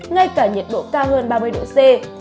ngay cả nhiệt độ cao hơn ba mươi độ c